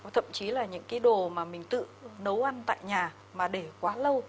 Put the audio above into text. thậm chí là những cái đồ mà mình tự nấu ăn tại nhà mà để quá lâu